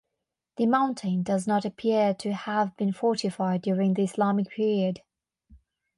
The mountain does not appear to have been fortified during the Islamic period.